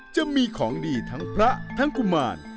จะมีของดีทั้งพระทั้งกุมาร